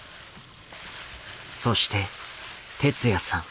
そして哲也さん。